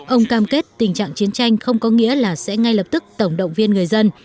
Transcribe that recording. ông cam kết tình trạng chiến tranh không có nghĩa là sẽ ngay lập tức tổng động viên người dân